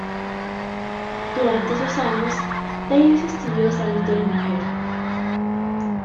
Durante esos años, Davis estudió Salud de la mujer.